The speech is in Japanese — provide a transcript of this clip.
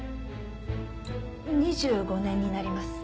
２５年になります。